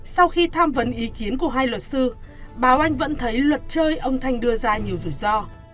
sau khi tham vấn ý kiến của hai luật sư bà oanh vẫn thấy luật chơi ông thanh đưa ra nhiều rủi ro